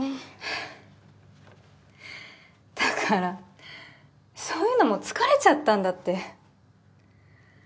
ハッだからそういうのもう疲れちゃったんだって。